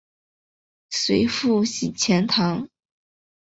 随父徙钱塘。